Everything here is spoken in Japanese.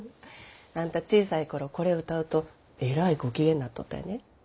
あんた小さい頃これ歌うとえらいご機嫌になっとったんやで。